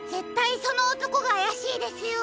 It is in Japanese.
そのおとこがあやしいですよ。